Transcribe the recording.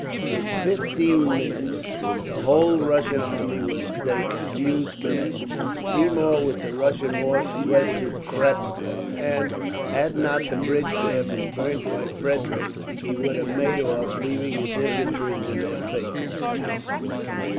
In fifteen minutes the whole Russian army was a confused mass. Fermor, with the Russian horse, fled to Kratsdorf and, had not the bridge there been burnt by Frederick, he would have made off, leaving his infantry to their fate.